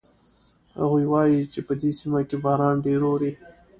هغوی وایي چې په دې سیمه کې باران ډېر اوري